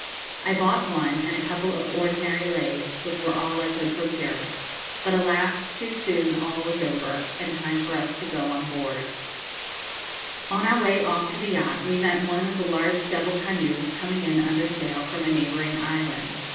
I bought one, and a couple of ordinary leis, which were all I could procure. But, alas! too soon all was over, and time for us to go on board. [Illustration: Feather Necklace] On our way off to the yacht we met one of the large double canoes coming in under sail from a neighbouring island.